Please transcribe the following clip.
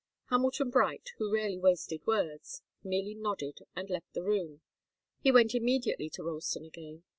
Hamilton Bright, who rarely wasted words, merely nodded and left the room. He went immediately to Ralston again.